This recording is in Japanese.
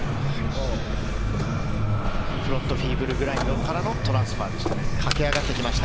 フロントフィーブルグラインドからのトランスファーでしたね。